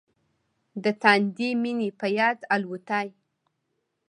د تاندې مينې په یاد الوتای